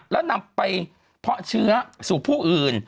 แล้วนำไปเพาะเชื้อสู่ผู้อื่น